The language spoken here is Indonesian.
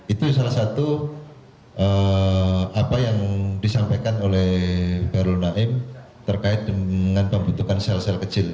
itu salah satu apa yang disampaikan oleh bahrul naim terkait dengan pembentukan sel sel kecil